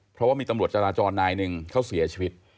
เพราะว่ามีตำรวจจราจรนายหนึ่งเขาเสียชีวิต